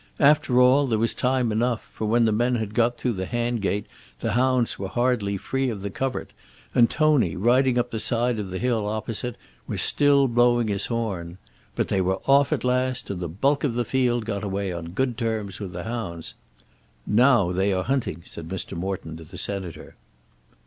After all there was time enough, for when the men had got through the hand gate the hounds were hardly free of the covert, and Tony, riding up the side of the hill opposite, was still blowing his horn. But they were off at last, and the bulk of the field got away on good terms with the hounds. "Now they are hunting," said Mr. Morton to the Senator.